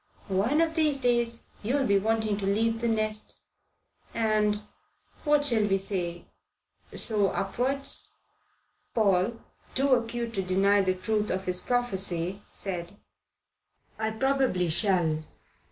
"One of these days you'll be wanting to leave the nest and what shall we say? soar upwards." Paul, too acute to deny the truth of this prophecy said: "I probably shall.